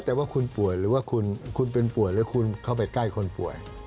แล้วแต่ว่าคุณเป็นป่วยหรือคุณเข้าไปใกล้คนป่วย